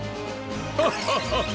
ハハハハハ！